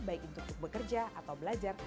baik untuk bekerja atau belajar